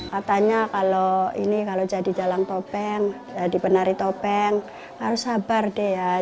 katanya kalau ini kalau jadi jalan topeng jadi penari topeng harus sabar deh ya